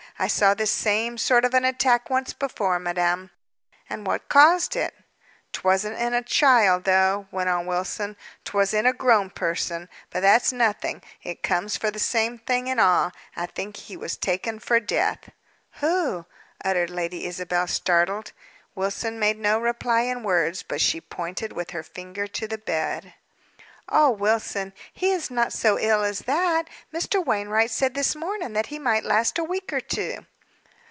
"I saw this same sort of an attack once before, madame." "And what caused it?" "Twasn't in a child though," went on Wilson "'twas in a grown person. But that's nothing, it comes for the same thing in all. I think he was taken for death." "Who?" uttered Lady Isabel, startled. Wilson made no reply in words, but she pointed with her finger to the bed. "Oh, Wilson, he is not so ill as that. Mr. Wainwright said this morning, that he might last a week or two."